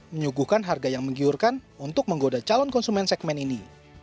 menyuguhkan harga yang menggiurkan untuk menggoda calon konsumen segmen ini